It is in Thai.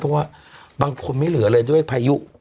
เพราะว่าบางคนไม่เหลือเลยด้วยพายุ